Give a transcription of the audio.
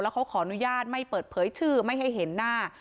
เขาขออนุญาตไม่เปิดเผยชื่อไม่ให้เห็นหน้า